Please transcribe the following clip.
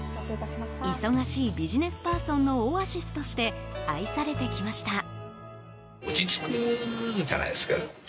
忙しいビジネスパーソンのオアシスとして愛されてきました。